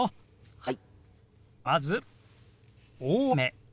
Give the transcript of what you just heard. はい。